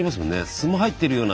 酢も入ってるような。